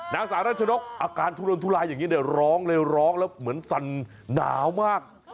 นางสาวรัชนกอาการทุรนทุลายอย่างนี้เนี่ยร้องเลยร้องแล้วเหมือนสั่นหนาวมาก